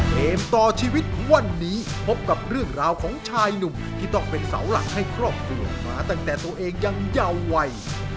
เกมต่อชีวิตวันนี้พบกับเรื่องราวของชายหนุ่มที่ต้องเป็นเสาหลักให้ครอบครัวมาตั้งแต่ตัวเองยังเยาวัย